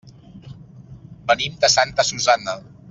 Venim de Santa Susanna.